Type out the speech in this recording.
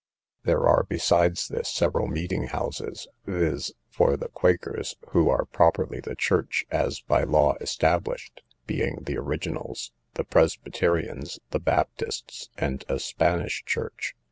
There are, besides this, several meeting houses; viz., for the quakers, who are properly the church as by law established, being the originals; the presbyterians, the baptists, and a Spanish church.